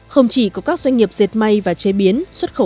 không chỉ có các doanh nghiệp dệt may và chế biến xuất khẩu